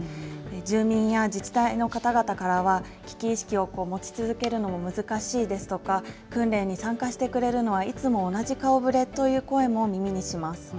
住民や自治体の方々からは、危機意識を持ち続けるのも難しいですとか、訓練に参加してくれるのはいつも同じ顔触れという声も耳にします。